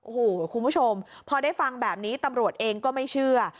โอ้โหคุณผู้ชมพอได้ฟังแบบนี้ตำรวจเองก็ไม่เชื่อ